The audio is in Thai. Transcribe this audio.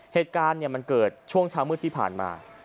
เหตุการณ์มันเกิดช่วงเช้ามืดที่ผ่านมา